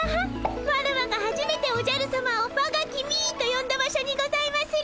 ワラワがはじめておじゃるさまを「わが君」とよんだ場所にございまする！